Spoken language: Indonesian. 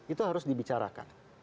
itu harus dibicarakan